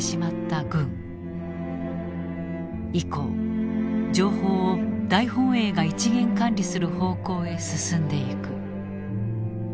以降情報を大本営が一元管理する方向へ進んでいく。